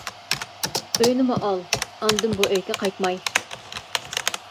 ئۆينىمۇ ئال ئاندىن بۇ ئۆيگە قايتماي!